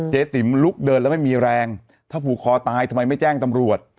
ติ๋มลุกเดินแล้วไม่มีแรงถ้าผูกคอตายทำไมไม่แจ้งตำรวจ